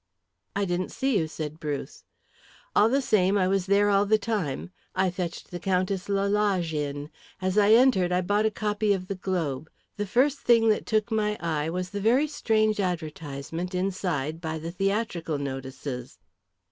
"I didn't see you," said Bruce. "All the same I was there all the time. I fetched the Countess Lalage in. As I entered I bought a copy of the Globe. The first thing that took my eye was the very strange advertisement inside by the theatrical notices."